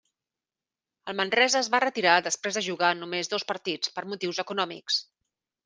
El Manresa es va retirar després de jugar només dos partits, per motius econòmics.